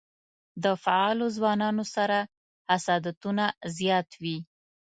له فعالو ځوانانو سره حسادتونه زیات وي.